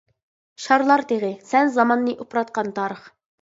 شارلار تېغى، سەن زاماننى ئۇپراتقان تارىخ.